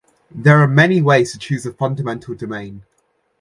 There are many ways to choose a fundamental domain.